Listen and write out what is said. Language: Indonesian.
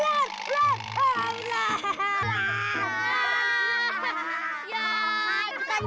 ya itu kan cacing